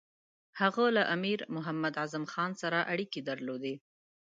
هغه له امیر محمد اعظم خان سره اړیکې درلودې.